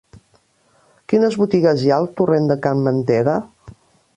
Quines botigues hi ha al torrent de Can Mantega?